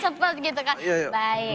cepet gitu kan